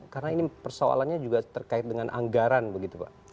karena ini persoalannya juga terkait dengan anggaran begitu pak